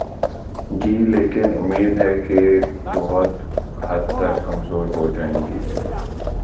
گی لیکن امید ہے کہ بہت حد تک کم ضرور ہو جائیں گی۔